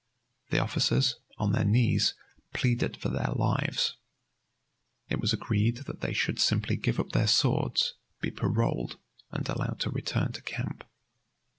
The officers, on their knees, pleaded for their lives. It was agreed that they should simply give up their swords, be paroled, and allowed to return to camp.